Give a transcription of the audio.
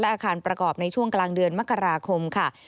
อาคารประกอบในช่วงกลางเดือนมกราคมค่ะ